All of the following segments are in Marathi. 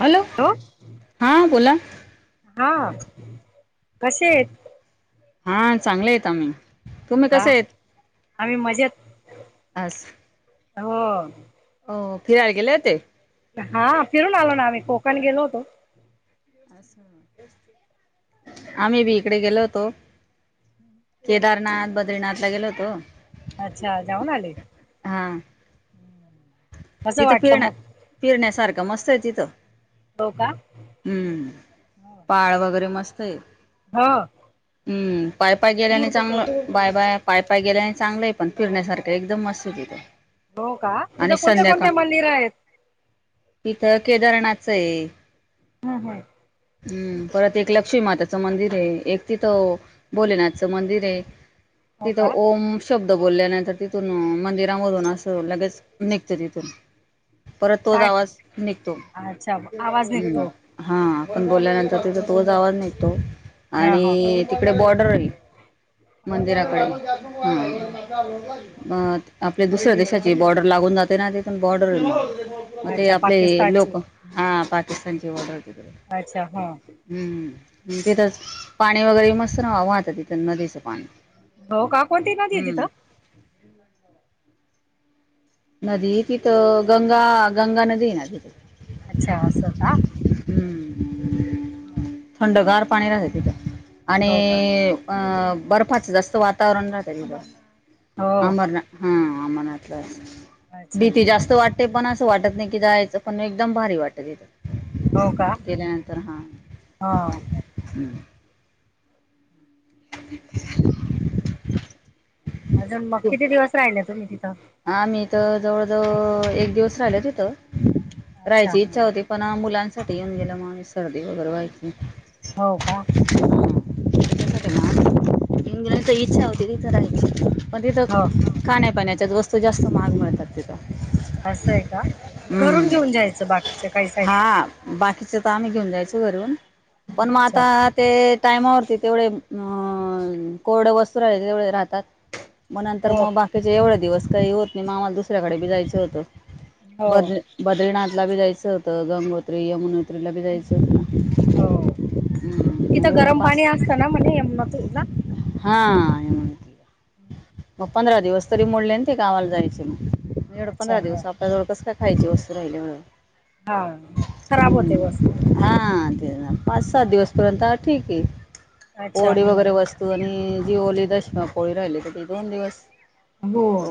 हॅलो! हा बोला. हा कसे आहेत? हा चांगले आहेत आम्ही. हो तुम्ही का कसे आहेत? आम्ही मजेतं. असं. हो. हो फिरायला गेले होते. हा फिरून आलो नां आम्ही कोकण गेलो होतो. आम्ही बी इकडे गेलो होतो. केदारनाथ, बद्रीनाथाला गेलो होतो. अच्छा! जाऊन आले. कसं इथं वाटलं फिरण्या मग फिरण्यासारखं मस्त आहे तिथं. हो का हम्म! पाळ वगैरे मस्त [inaudible] हो. हम्म पायीपायी गेल्याने चांगलं बाया बाया पायीपायी गेल्याने चांगलंय पण फिरण्यासारखं एकदम मस्तं तिथे. हो का, तिथं कोणत्या कोणत्या- मंदिर आहेत. तिथं केदारनाथचं आहे. हम्म हम्. हम्म परत एक लक्ष्मीमाताचं मंदिर आहे. एक तिथं भोलेनाथचं मंदिर आहे. हो तिथ का ओम शब्द तिथे बोलल्या नंतर तिथून मंदिरामधून असं लगेचं निघत तिथं. [inaudible] परत तोच काय आवाज निघतो अच्छा आवाज हम् निघतो हा आपण बोलल्यानंतर तिथ तोच आवाज निघतो. तो. हा आणि हो तिकडे, [unintelligible] [unintelligible] अच्छा मंदिराकडे हो हा. [unintelligible] आपल्या दुसऱ्या देशाची बॉर्डर लागून जाते ना ति- बॉर्डर मग ते अच्छा आपले पाकिस्तानची लोक हा पाकिस्तानची बॉर्डर अच्छा हो [unintelligible] तिथेच पाणी वगैरे मस्त नव्हे वाहत. तिथं नदीच- हो का कोणती नदी आहे तिथं? नदी तिथं गंगा, गंगा नदी ना तिथं. अच्छा असं हाय का हम्म [unintelligible] थंडगार पाणी राहतय तिथं. आणि हो का अ बर्फाच जास्त वातावरण राहत बघ, हो अंबर आ हा, [unintelligible] अच्छा भीती जास्त वाटते पण, अस वाटत नाही की जायचं पण एकद भारी वाटत का तिथं केल्यानंतर हा. हो हम् [unintelligible] [inaudible] अजून मग तू किती दिवस राहिले [unintelligible] आम्ही तर जवळजवळ एक दिवस राहिलो तिथं. अच्छा राहायची इच्छा होती पण, मुलां येऊन गेलो सर्दी वगैरे व्हायची. हो का! त्याच्यासाठी [unintelligible] [unintelligible] पण तिथं हो खाण्यापाण्या [unintelligible] जास्त महाग मिळतात तिथं असं आहे का! घरून हम्म घेऊन जायचं बाकीच काही साहित्य हा बाकीचं तर आम्ही घेऊन जायचो घरून. पण म अच्छा आता ते, टायमावरती तेवढे अ कोरडं वस्तू राहिले तेवढे राहतात. मग नंतर हो मग बाकीचे एवढे दिवस. काही होत नाही आम्हाला दुसऱ्याकडे बी जायचं होतं. हो बदल बदलणार, बी जायचं होतं गंगोत्री, यमुनोत्रीला, बी जायच. हो! ना तिथं एवढे गरम पाच पाणी असतं ना म्हणजे यमुनाच्या तिथं हा.. मग [inaudible] पंधरा दिवस तरी मोडले, ते गावाला जायच मग, एवढं अच्छा पंधरा ह दिवस आपल्याजवळ कस काय खायची वस्तू राहिल्या मुळ. हा. खराब होते वस्तू हां ते पाच सात दिवसपर्यंत ठीक आहे. अच्छा होडी ह वगैरे, वस्तू आणि जी ओली दशमापोळी राहिली किती दोन दिवस. हो.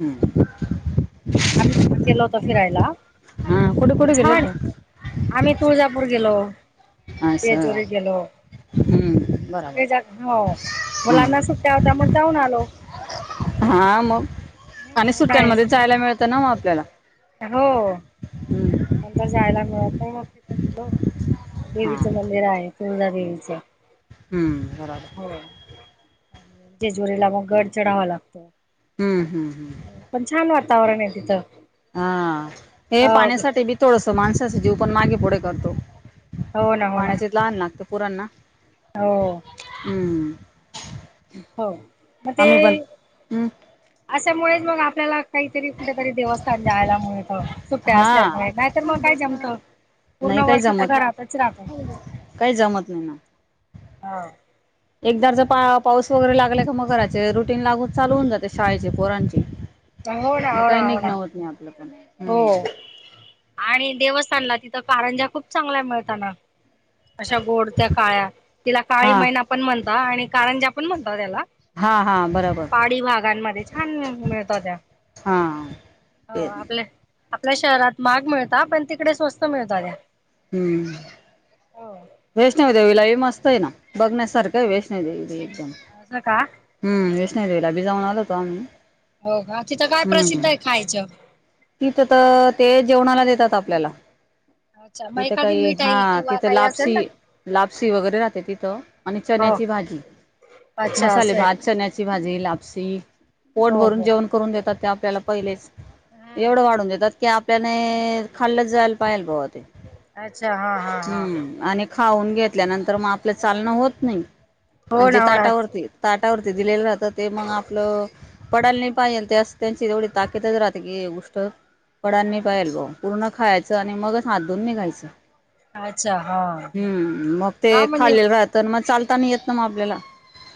हम! [inaudible] आम्ही पण गेलो होतो फिरायला हा कुठे कुठे गेले छान! होते? आम्ही तुळजापूर गेलो. [inaudible] असं जेजुरीला गेलो. हम्म. बरोबर सगळे जण हो मुलांना हम्म. सुट्ट्या होत्या मग जाऊन आलो. हा मग. आणि हम्म, उन्हाळी सुट्ट्यांमध्ये जायला मिळत ना ओ आपल्याला हो हम नंतर जायला मिळत नाही मग तिथं गेलो देवीचं मंदिर आहे. कुंदा देवीच. हम बराबर जेजुरीला मग गड चढावा लागतो. हम. हम. हम चागलं नाही तीथ हा. हे पाण्यासाठी बी थोडस माणसाचा जीव पण मागे पुढे करतो. हो ना हो ना पाण्याच [inaudible] तहान लागते पोरांना. हो हम [inaudible] हो. म ते हम्म अशामुळे मग आपल्याला काहीतरी कुठेतरी देवस्थान जायला मिळत सुट्ट्या हा असल्यामुळे नाहीतर मग काय जमत नाही पूर्ण काही वर्ष तर जमत घरातच राहतो. काही जमत नाही ना. हा एकदा जर पा पाऊस वगैरे लागला का मग घराचे रुटीन लागून चालू होऊ जाते शाळेचे पोरांचे. हो ना मग हो काही ना हो ना निघण होत नाही आपलं पण. हम हो. आणि देवस्थानला तिथं कारंजा खूप चांगला मिळताना अशा गोड त्या काळ्या तिला काळी हा महिना पण म्हणता आणि कारण ज्या कोण म्हणत त्याला हा हा बरोबर पाळी भागांमध्ये छान मिळतो त्या हा ते हो आपल्या आपल्या शहरात माग मिळता पण तिकडे स्वस्त मिळतात त्या हम्म हो वैष्णव देेवीलाईव मस्त आहे ना बघण्यासारखं वेषणे दे असं का हम्म स्नारीवेला भिजा न नाला होोमही हो का तिथं काय प्रसिद्ध आहे खायचं तिथं तर ते जेवणाला देतात आपल्याला अच्छा मग तिथं एखादी काही हा मिठाई किंवा तिथं काही असेल लापसी ना लापसी वगैरे राहते तिथं आणि हो चण्याची भाजी अच्छा मसाले असेल भात चण्याची भाजी लाप सीख पोट हो भरून हो जेवण करून देतात ते आपल्याला पहिलेच एवढं वाढून देतात की आपल्याने खाल्लंच जायला पाहिल बॉ ते अच्छा हा, हा, हा, हम्म आणि खाऊन घेतल्यानंतर मग आपलं चालणं होत नही हो ना म्हजे हो ना ताटावरती ताट ती दिलेल राह ते मग आपलं पडायला नाही पाहिजेल ते असं त्यांची तेवढी ताकीदच राहते की हे ऊष्ट पडानही पायलबो पूर्ण खायचं आणि मगच हात धून निघायचं अच्छा हा हूं म ते हा म्हणजे खाल्लेलं राहत तर म चाल ता येत ना मग आपल्याला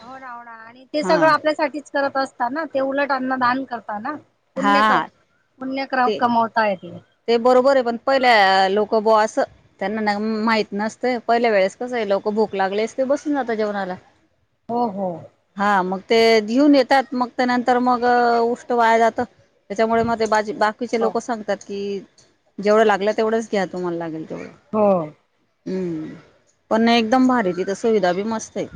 हो ना होणा आणि ते हा सगळं आपल्यासाठीच करत असता ना ते उलट अन्न दान करताना पुण्यक हा कोनी क्र ते कमावताय ते बरोबर आहे पण पहिल्या लोक बो अस त्यांना ना माहित नसतं, पहिल्या वेळेस कसं हे लोक भूक लागली असंते बसून जातात जेवणाला. हो हो! हा मग ते घेऊन येतात मग त्या नंतर मग उष्ट वाया जातं त्याच्यामुळे मग ते बाजी बाकीचे हो लोक सांगतात. कि जेवढं लागलं तेवढंच घ्या तुम्हाला लागेल हो! हूं पण ना एकदम भारी तिथं सुविधा बी मस्त हे!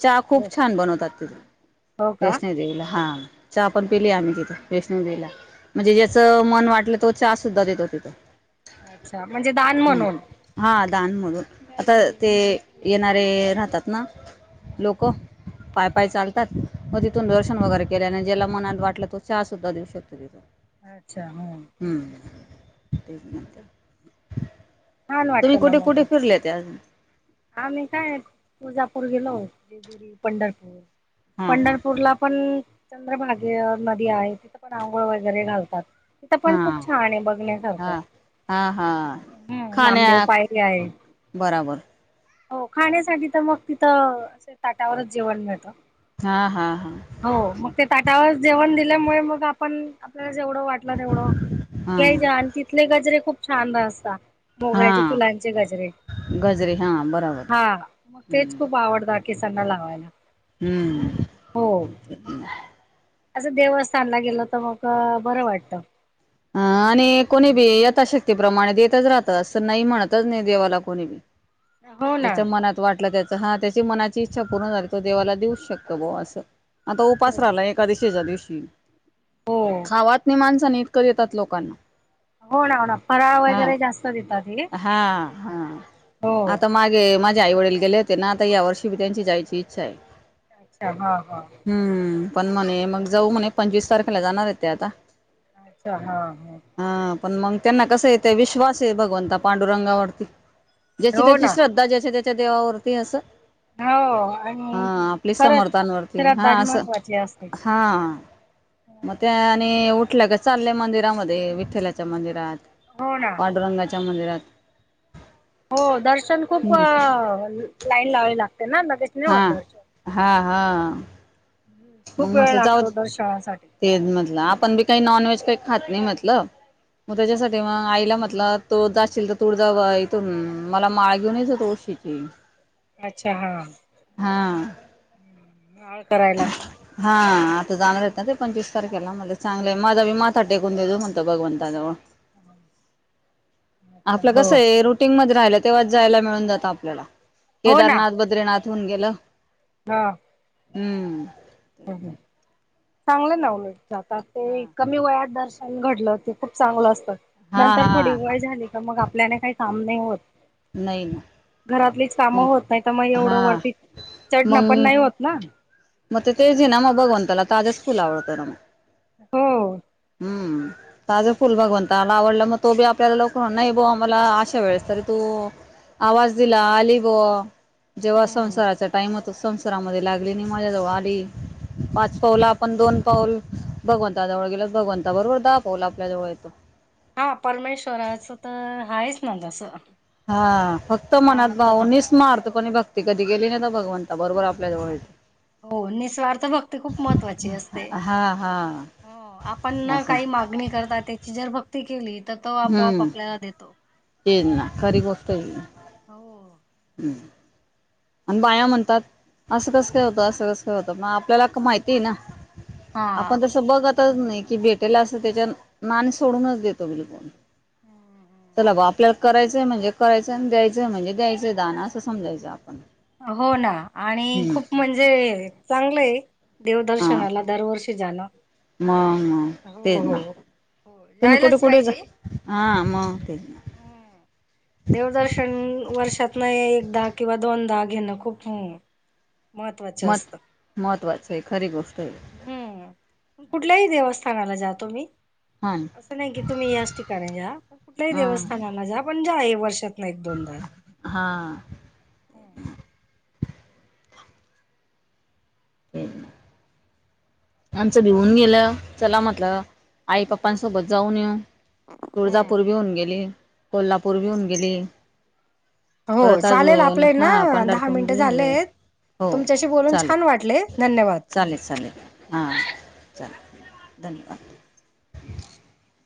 चहा खूप हो छान बनवतात तिथे हो का वैष्ण हो देवीला हा चहा पण पिली आम्ही तिथ. वैष्णो देेला म्हणजे हो ज्याचं मन वाटल चहा सुद्धा देतो तिथं. अच्छा म्हणजे दान म्हणून. दानम्हणून आता ते येणारे राहतात ना. लोक पाय, पाय चालतात व तिथून दर्शन वगैरे ज्याला मनाला वाटलं तो चहा सुद्धा देऊ शकतो तिथ. अच्छा हं! हम्म. तेच म्हटलं. छान तुम्ही कुठे कुठे फिरले ते अजून. आा मी काय तुळजापूर गेलो. जेजुरी, पंढरपूर हा हा पंढरपूरला पण. चंद्रभाग्य नदी आहे. तिथं पण आंघोळ वगैरे घालतात. तिथ पण खूप हा छान आहे बघण्यासारखं. हा हा हा ह नामदेव खाण्या पायरी आहे. बराबर हो खाण्यासाठी तर मग तिथं ताटावरच जेवण मिळतं. हा हा हा हो मग ते ताटावर. जेवण दिल्यामुळे मग आपण आपल्या. जेवढं वाटल तेवढ हा घ्यायच आणि तिथले गजरे खूप छान असा. मोगऱ्याचे हा फुलांचे गजरे गजरे हा बराबर हा मग तेच खूप आवडतात. केसांना लावायला. हो हम्म्. असं देवस्थानला गेल तर मग बरं वाटत. अं आणि कोणी बी यथाशक्ती प्रमाणे देतच राहत. असं नाही म्हणतच नाही देवाला कोणी बी. हो ना जिच्या मनात वाटलं त्या हा त्याची मनाची इच्छा पूर्ण झाली तो देवाला देऊ शकतो बो असं. आता उपास हो राहिला एका एकादशीच्या दिवशी. ही. हो खावात नाही माणसांनी नीट. तरी देतात लोकांना. होणा होणा फराळ हा वगैरे जास्त देतात हे. हा हा. हो आता मागे. आई वडील गेले होते ना आता या वर्षी बी त्यांची जायची इच्छा आहे. अच्छा हा हा. हम्म पण म्हणे मग जाऊ म्हणे पंचवीस तारखेला जाणार आहे ते आता. अच्छा हा हा. मग त्यांना कस येत विश्वास आहे भगवंता पांडुरंगावरती. ज्याची हो त्याची ना श्रद्धा जिथे जिथे. ते देवावरती अस. हो हा आणि आपली खरंच समर्थांवरती श्रद्धाच हा असं महत्त्वाची असते. हा मग त्या आणि. उठले की चाललंय मंदिरामध्ये विठ्ठलाच्या मंदिरात हो ना पाडुरंगाच्या मंदिरात हो दर्शन खूपप हम्म लाईन लावावी लागते ना लगेच नाही हा होत हा हा ह खूप वेळ लागतो दर्शनाचा साठी तेच म्हटलं आपण बी काही नॉनव्हेज काही खात नाही म्हटलं म्हटलं मग त्याच्यासाठी मग आईला म्हटलं तो जाशील तर तुळजाभवानी जाशील तिथून मला माळ घेऊन ये जा तुळशीची अच्छा हा ह करायला हा आता जाणार आहेत ना ते पंचवीस तारीख त्याला म्हणले चांगले माधवी माधवी काटे कुंदे तो म्हणता भगवंताजवळ हम् आपलं कसंय रुटीन मध्ये राहिलेत तेव्हाच जायला मिळून जात आपल्याला हो ना केदारनाथ बद्रीनाथ फन गेला हा हम चांगलंय ना उल ज ते हा. कमी वयातर घडलं ते खूप चांगलं असतं हा नंतर थोडी हा वय झाली का मग आपल्याने काही सामने होत नाही ना घरातलीच कामं होत नाही तर मग एवढं हा वरती चढणं पण नाही होत ना म तेज ना मबागणत त्याला ताच फुल आवडतम्म हो. त फुल भगव ला आवडला मग तो बी आपल्याला लवकर नाही ब मला अशा वेळेस तरी तू आवाज दिला आली ब जेव्हा हम्म संसाराचा टाइम हो संसारामध्ये लागले नाही सजात वाढडी पाच पाऊला आपण दोन पाऊल भगवंताजवळ गेल भगवंता बरोबर दा पावला आपल्या जवळ येतो हा परमेश्वराचं तर आहेाच ना जसं. हा फक्त मनात भाऊ नस मार्त ण भक्ती कधी गेली ना ना भगवंता बरोबर आपल्या जवळची हो निसवार्थ भक्ती खूप महत्वाची असते हा हा आपण असं काही मागणी करता त्याची जर भ केली. तर तो आपोआप आपल्याला देतो. हन ना खरी कष्टो ये ना हो हमं. आणि बाया म्हणतात असं कसं काय होतं असं कस काय होतं म आपल्याला माहिती आहे ना. हा. आपण तस बघत. नाही की भेटेला असं त्याच्या नाणी सोडूनच देतो बिलकोून हम्म. चला ग आपल्याला करायचंय म्हणजे करायचंय आणि द्यायचंय म्हणजे द्यायंयधानण असं समजायचं आपण हो ना आणि हम्म खूप म्हणजे चांगलं आहे. हा देवदर्शनाला दरवर्षी जाणं मग मग हो तेच ना हो तुम्ही कुठे जायलाच कुठे जा पाहिजे हा मग तेच ना देवदर्शन वर्षात नाही. एकदा किंवाधोनंद घेणं खूप हो मत् महत्त्वाचं आहे खरी गोष्ट आहे. हम्म कुठल्याही देवस्थानाला जातो मी हा असं नाही कि तुम्ही याच ठिकाणी जा कुठल्याही हा देवस्थानाला जा पण जा आहे वर्षात दोनदा हा हो आमचं हो भिऊन गेलं चला म्हटलं आई पप्पा पाच सव बज जाऊन तुळजापूर बी होऊन गेली. कोल्हापूर भी होऊन गेली. हो परत चालेल अजून आपले ना हा दहा पंढरपूर मिनट बी झाले झालेलं आहेत. हो तुमच्याशी बोलून चालेल छान वाटले धन्यवाद. चालेल चालेल हां चाल धन्यवाद.